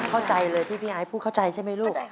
เข้าใจเลยที่พี่ไอ้พูดเข้าใจใช่ไหมลูก